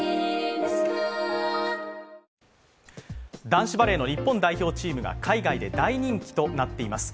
男子バレーの日本代表チームが海外で大人気となっています。